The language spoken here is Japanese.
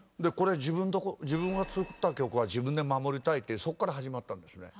自分が作った曲は自分で守りたいってそっから始まったんですね。